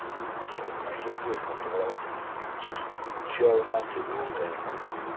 この人同じ職業持ってからはちょっと違うなっていう感懐がね。